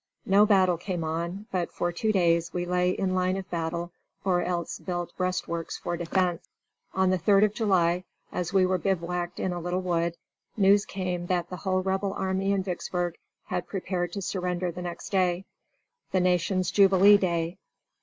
No battle came on, but for two days we lay in line of battle, or else built breastworks for defense. On the 3d of July, as we were bivouacked in a little wood, news came that the whole Rebel army in Vicksburg had prepared to surrender the next day, the Nation's jubilee day.